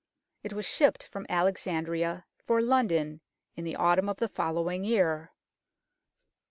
It was shipped from Alexandria for London in the autumn of the following year.